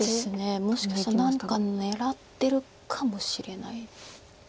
もしかしたら何か狙ってるかもしれない。